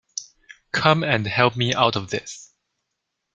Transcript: Come and help me out of this!’